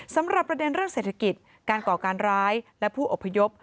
สำหรับประเด็นเรื่องเศรษฐกิจการก่อการร้ายและผู้อพยพ